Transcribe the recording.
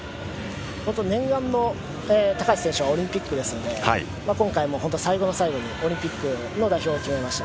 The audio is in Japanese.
念願のオリンピックですので今回も最後の最後にオリンピックの代表を決めました。